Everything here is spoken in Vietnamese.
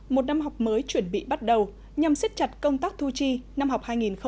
một năm học mới chuẩn bị bắt đầu nhằm siết chặt công tác thu chi năm học hai nghìn hai mươi hai nghìn hai mươi một